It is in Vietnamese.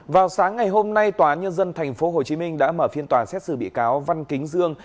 vào sáng ngày hôm nay tòa nhân dân tp hcm đã mở phiên tòa xét xử bị cáo văn kính dương